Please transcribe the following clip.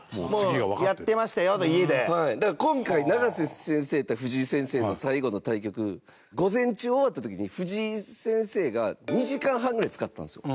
だから、今回永瀬先生対藤井先生の最後の対局午前中が終わった時に藤井先生が２時間半ぐらい使ったんですよ。